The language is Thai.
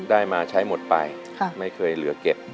ได้มาใช้หมดไปไม่เคยเหลือเก็บ